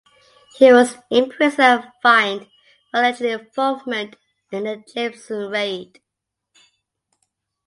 He was imprisoned and fined for alleged involvement in the Jameson Raid.